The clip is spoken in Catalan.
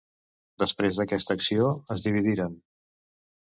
Després d'aquesta acció, es dividiren.